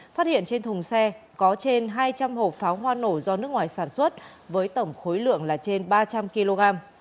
phát hiện trên thùng xe có trên hai trăm linh hộp pháo hoa nổ do nước ngoài sản xuất với tổng khối lượng là trên ba trăm linh kg